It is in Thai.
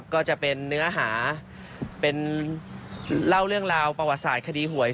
ก็จะเป็นเนื้อหาเป็นเล่าเรื่องราวประวัติศาสตร์คดีหวย